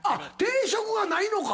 定職がないのか？